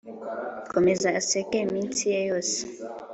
komeza aseke iminsi ye yose